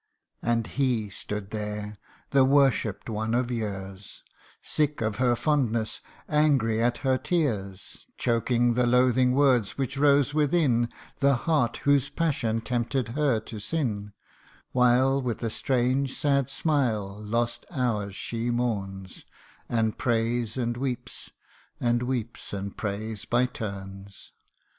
And lie stood there, the worshipp'd one of years Sick of her fondness angry at her tears ; Choking the loathing words which rose within The heart whose passion tempted her to sin ; While with a strange sad smile lost hours she mourns, And prays and weeps, and weeps and prays by turns.